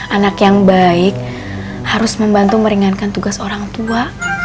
anak yang baik harus membantu meringankan tugas orang tua